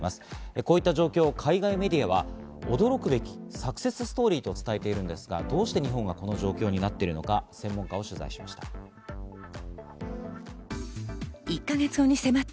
こういった状況を海外メディアは驚くべきサクセスストーリーと伝えているんですが、どうして日本はこの状況になっているのか、専門家を取材しました。